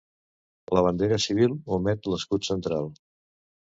La bandera civil omet l'escut central.